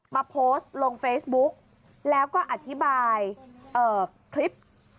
มาโพสต์ลงเฟซบุ๊กแล้วก็อธิบายคลิป